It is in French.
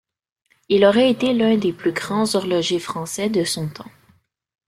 Il aurait été l'un des plus grands horloger français de son temps.